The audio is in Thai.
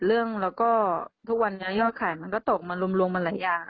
ทุกวันเยอะขายมันก็ตกลงมาหลายอย่าง